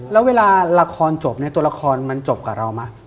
แล้วเวลาละครจบเนี่ยตัวละครมันจบกับเราไหม